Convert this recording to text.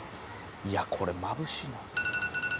いやこれまぶしいな。